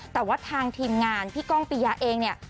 แต่ว่าทางทีมงานพี่ก้องปิยาเองเนี่ย